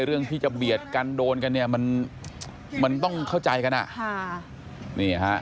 เรื่องที่จะเบียดกันโดนกันมันมันต้องเข้าใจกันอ่ะ